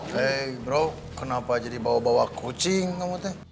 hei bro kenapa jadi bawa bawa kucing kamu teh